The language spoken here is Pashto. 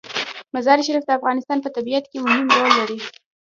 مزارشریف د افغانستان په طبیعت کې مهم رول لري.